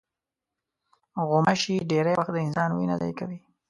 غوماشې ډېری وخت د انسان وینه ضایع کوي.